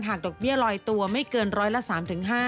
ดอกเบี้ยลอยตัวไม่เกินร้อยละ๓๕